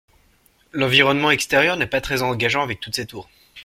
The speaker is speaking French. L'environnement extérieur n'est pas très engageant avec toutes ces tours.